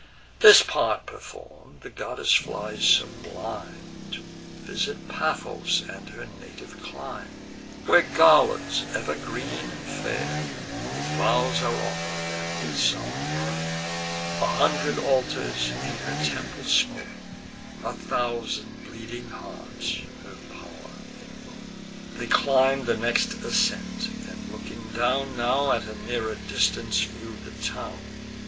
This part perform'd, the goddess flies sublime To visit Paphos and her native clime; Where garlands, ever green and ever fair, With vows are offer'd, and with solemn pray'r: A hundred altars in her temple smoke; A thousand bleeding hearts her pow'r invoke. They climb the next ascent, and, looking down, Now at a nearer distance view the town.